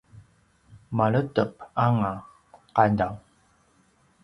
maledep anga qadaw